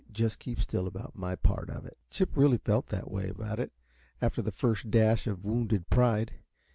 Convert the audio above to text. Just keep still about my part of it." Chip really felt that way about it, after the first dash of wounded pride.